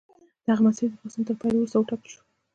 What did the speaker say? دغه مسیر د پاڅون تر پیل وروسته وټاکل شو.